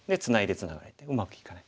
ツナがれてうまくいかない。